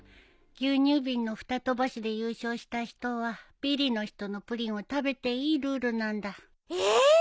牛乳瓶のふた飛ばしで優勝した人はビリの人のプリンを食べていいルールなんだ。え！？